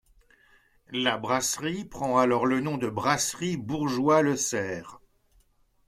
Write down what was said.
La Brasserie prend alors le nom de Brasserie Bourgeois-Lecerf.